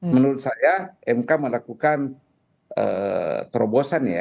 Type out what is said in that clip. menurut saya mk melakukan terobosan ya